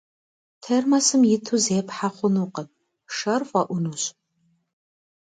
Термосым иту зепхьэ хъунукъым, шэр фӏэӏунущ.